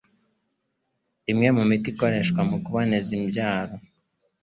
Imwe mu miti ikoreshwa mu kuringaniza imbyaro